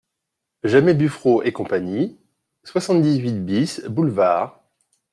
Jamet Buffereau & Cie, soixante-dix-huit bis, boulev.